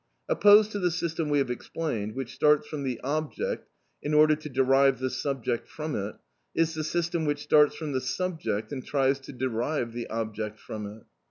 Opposed to the system we have explained, which starts from the object in order to derive the subject from it, is the system which starts from the subject and tries to derive the object from it.